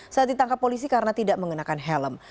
saat ditangkap polisi karena tidak mengenakan helm